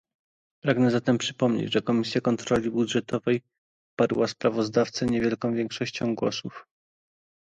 Pragnę zatem przypomnieć, że Komisja Kontroli Budżetowej poparła sprawozdawcę niewielką większością głosów